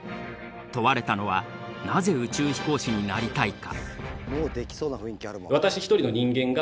問われたのは「なぜ宇宙飛行士になりたいか？」。